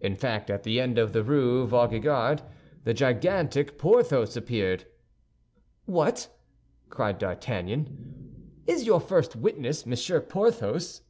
In fact, at the end of the Rue Vaugirard the gigantic Porthos appeared. "What!" cried D'Artagnan, "is your first witness Monsieur Porthos?"